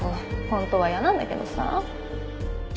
本当は嫌なんだけどさ。